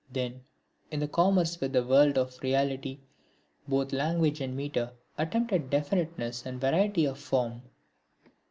Then, in the commerce with the world of reality, both language and metre attempted definiteness and variety of form.